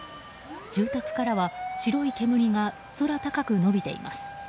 住宅からは白い煙が空高く伸びています。